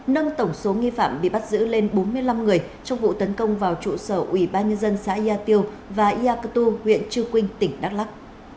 nâng tổng số nghi phạm bị bắt giữ lên bốn mươi năm người trong vụ tấn công vào trụ sở ủy ban nhân dân xã yà tiêu và ya cơ tu huyện chư quynh tỉnh đắk lắc